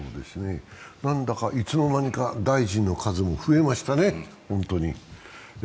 何だかいつの間にか大臣の数も増えましたね。